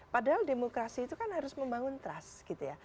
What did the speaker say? padahal demokrasi itu kan harus membangun trust gitu ya